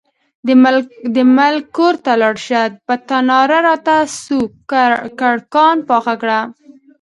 د ملک کور ته لاړه شه، په تناره راته سوکړکان پاخه کړه.